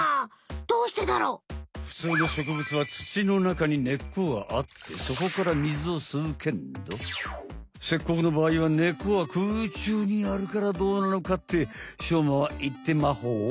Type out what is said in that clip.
ふつうの植物はつちの中に根っこがあってそこから水をすうけんどセッコクのばあいは根っこは空中にあるからどうなのかってしょうまはいってまほ。